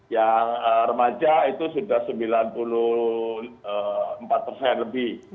yang remaja itu sudah sembilan puluh empat persen lebih